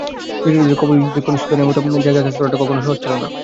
বিদ্রোহীদের কবলেদক্ষিণ সুদানের মতো জায়গায় কাজ করাটা কখনো সহজ ছিল না।